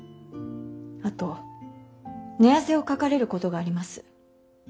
あと寝汗をかかれることがあります。